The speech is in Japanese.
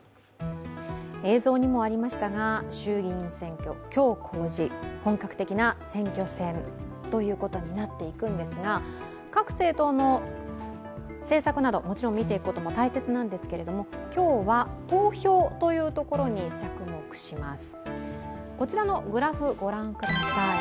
映像にもありましたが衆議院選挙、今日公示、本格的な選挙戦ということになっていくんですが、各政党の政策などもちろん見ていくことも大切なんですけど今日は、投票というところに着目します。